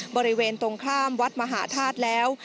บริเวณตรงข้ามวัดมหาธาตุแล้ว